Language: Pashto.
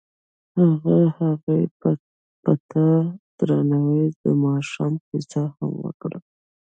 هغه هغې ته په درناوي د ماښام کیسه هم وکړه.